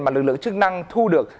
mà lực lượng chức năng thu được